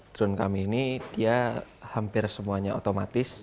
drone kami ini dia hampir semuanya otomatis